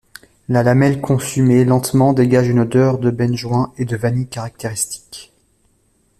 La lamelle consumée lentement dégage une odeur de benjoin et de vanille caractéristique.